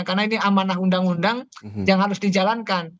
karena ini amanah undang undang yang harus dijalankan